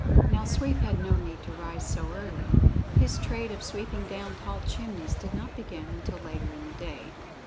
Now Sweep had no need to rise so early. His trade of sweeping down tall chimneys did not begin until later in the day.